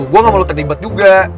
gue nggak mau lo terlibat juga